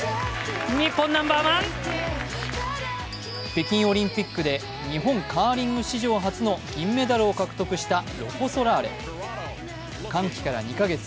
北京オリンピックで日本カーリング史上初の金メダルを獲得したロコ・ソラーレ歓喜から２カ月。